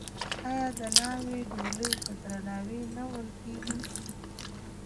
آیا د ناوې ډولۍ په درناوي نه وړل کیږي؟